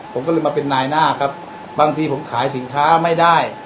ผมก็เลยมาเป็นนายหน้าครับบางทีผมขายสินค้าไม่ได้